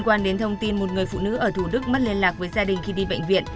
quan đến thông tin một người phụ nữ ở thủ đức mất liên lạc với gia đình khi đi bệnh viện